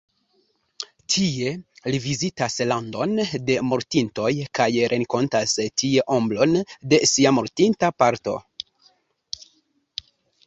Tie li vizitas Landon de Mortintoj kaj renkontas tie ombron de sia mortinta patro.